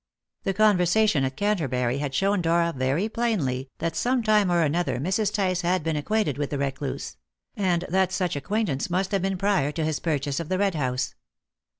The conversation at Canterbury had shown Dora very plainly that some time or another Mrs. Tice had been acquainted with the recluse; and that such acquaintance must have been prior to his purchase of the Red House.